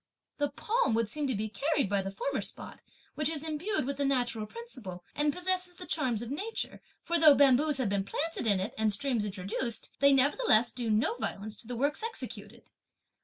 The palm would seem to be carried by the former spot, which is imbued with the natural principle, and possesses the charms of nature; for, though bamboos have been planted in it, and streams introduced, they nevertheless do no violence to the works executed.